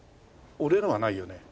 俺のはないよね？